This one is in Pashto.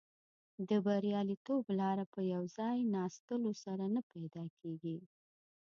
د بریالیتوب لاره په یو ځای ناستلو سره نه پیدا کیږي.